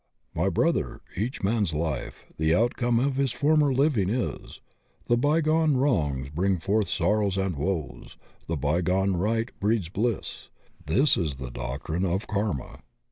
'*My brothers! each man*s life The outcome of his former living is; The bygone wrongs bring forth sorrows and woes, The bygone right breeds bliss This is the doctrine of Karma."